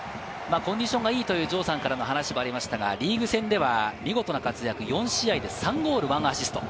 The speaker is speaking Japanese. コンディションがいいという話もありましたが、リーグ戦では見事な活躍、４試合で３ゴール１アシスト。